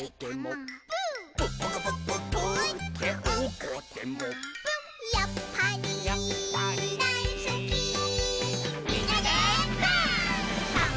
「やっぱりやっぱりだいすき」「みんなでパン！」